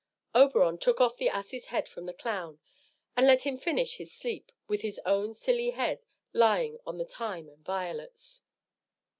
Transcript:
Oberon took off the ass's head from the clown, and left him to finish his sleep with his own silly head lying on the thyme and violets.